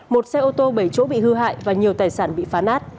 một xe ô tô bảy chỗ bị hư hại và nhiều tài sản bị phá nát